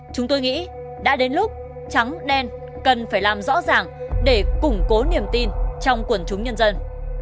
chúng tôi nghĩ đã đến lúc trắng đen cần phải làm rõ ràng để củng cố niềm tin trong quần chúng nhân dân